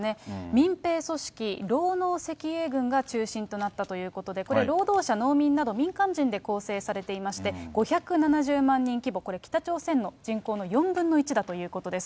民兵組織、労農赤衛軍が中心となったということで、これ、労働者、農民など、民間人で構成されていまして、５７０万人規模、これ、北朝鮮の人口の４分の１だということです。